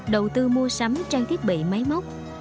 đầu tư mua sắm trang thiết bị máy móc